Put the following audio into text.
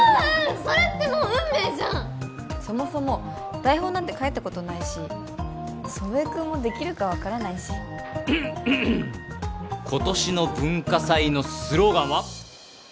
それってもう運命じゃんそもそも台本なんて書いたことないし祖父江君もできるか分からないし今年の文化祭のスローガンは？